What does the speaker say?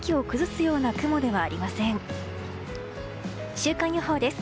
週間予報です。